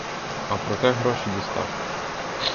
А проте гроші дістав.